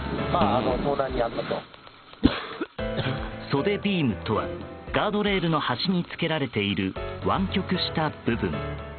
袖ビームとはガードレールの端につけられている湾曲した部分。